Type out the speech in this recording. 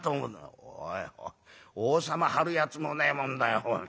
「おいおい王様張るやつもねえもんだよおい。